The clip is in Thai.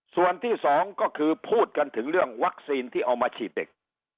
ส่วนที่สองก็คือพูดกันถึงเรื่องวัคซีนที่เอามาฉีดเด็ก